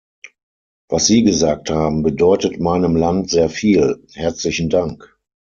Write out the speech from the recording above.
Was Sie gesagt haben, bedeutet meinem Land sehr viel, herzlichen Dank.